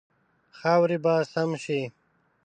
خاورې به سم شي.